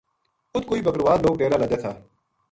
اُت کوئی بکروال لوک ڈیرا لَدے تھا